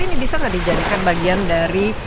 ini bisa nggak dijadikan bagian dari